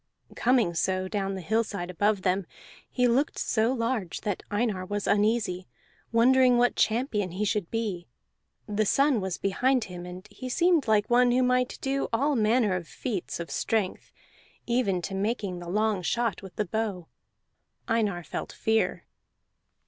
Coming so, down the hillside above them, he looked so large that Einar was uneasy, wondering what champion he should be; the sun was behind him, and he seemed like one who might do all manner of feats of strength, even to making the long shot with the bow. Einar felt fear.